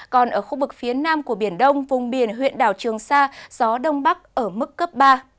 còn ở khu vực phía nam của biển đông vùng biển huyện đảo trường sa gió đông bắc ở mức cấp ba